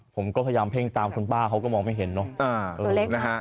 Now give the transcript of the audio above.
ผมก็พยายามเพ่งตามคุณป้าเขาก็มองไม่เห็นเนอะ